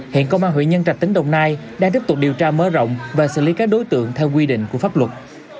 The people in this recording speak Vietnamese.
hiện công an huyện nhân trạch tỉnh đồng nai đang tiếp tục điều tra mở rộng và xử lý các đối tượng theo quy định của pháp luật